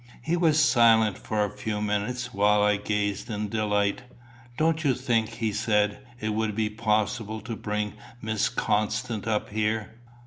He was silent for a few minutes, while I gazed in delight. "Don't you think," he said, "it would be possible to bring Miss Constance up here?"